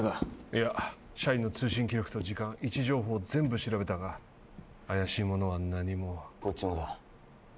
いや社員の通信記録と時間位置情報全部調べたが怪しいものは何もこっちもだ